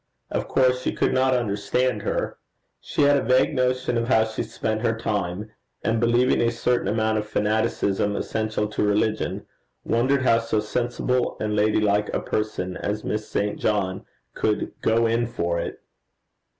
Of course she could not understand her. She had a vague notion of how she spent her time; and believing a certain amount of fanaticism essential to religion, wondered how so sensible and ladylike a person as Miss St. John could go in for it.